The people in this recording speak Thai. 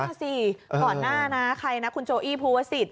นั่นสิก่อนหน้านะใครนะคุณโจอี้ภูวสิทธ